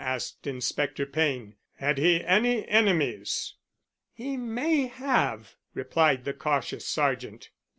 asked Inspector Payne. "Had he any enemies?" "He may have," replied the cautious sergeant.